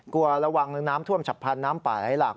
กลัวระวังน้ำท่วมฉับพันธ์น้ำป่าไหลหลาก